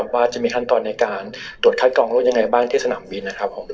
ว่าจะมีขั้นตอนในการตรวจคัดกองรุ่นยังไงที่สนามบิน